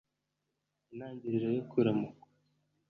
Intangiriro yo kuramukwa